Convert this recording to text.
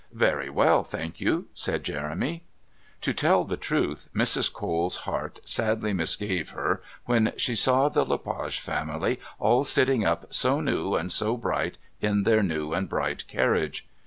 "Very well, thank you," said Jeremy. To tell the truth, Mrs. Cole's heart sadly misgave her when she saw the Le Page family all sitting up so new and so bright in their new and bright carriage.